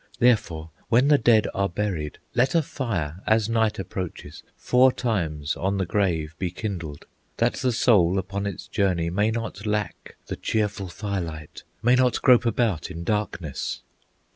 Therefore, when the dead are buried, Let a fire, as night approaches, Four times on the grave be kindled, That the soul upon its journey May not lack the cheerful firelight, May not grope about in darkness.